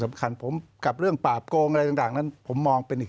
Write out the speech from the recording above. สำคัญผมกับเรื่องปราบโกงอะไรต่างนั้นผมมองเป็นอีก